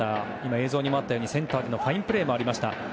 映像にもあったようにセンターでのファインプレーもありました。